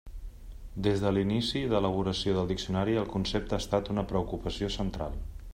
Des de l'inici d'elaboració del diccionari el concepte ha estat una preocupació central.